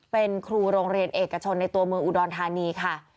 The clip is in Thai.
เป็นครูโรงเรียนเอกชนในตัวเมืองอุดรธานีค่ะ